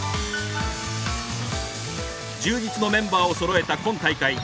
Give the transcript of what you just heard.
充実のメンバーをそろえた今大会。